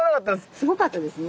すごかったですね。